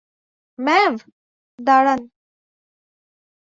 ম্যাভ, দাঁড়ান।